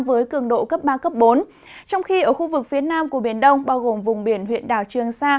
với cường độ cấp ba bốn trong khi ở khu vực phía nam của biển đông bao gồm vùng biển huyện đảo trường sa